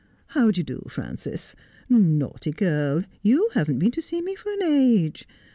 How do you do, Frances? Naughty girl! You haven't been to see me for an age.